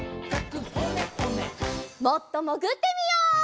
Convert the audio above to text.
もっともぐってみよう！